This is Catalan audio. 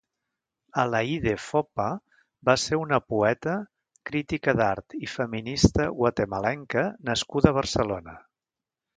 Alaíde Foppa va ser una poeta, crítica d'art i feminista guatemalenca nascuda a Barcelona.